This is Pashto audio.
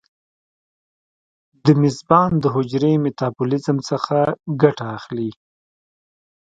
د میزبان د حجرې میتابولیزم څخه ګټه اخلي.